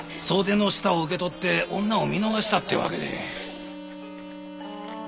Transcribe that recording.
袖の下を受け取って女を見逃したってわけで。